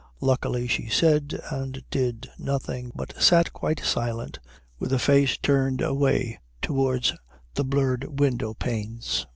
Luckily she said and did nothing, but sat quite silent with her face turned away towards the blurred window panes.